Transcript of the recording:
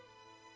tidak ada east